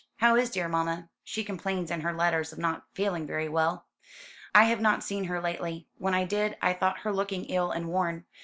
How is dear mamma? She complains in her letters of not feeling very well." "I have not seen her lately. When I did, I thought her looking ill and worn.